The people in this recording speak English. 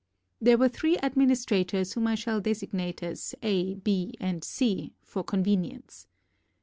There were three administrators whom I shall designate as A, B and C for convenience.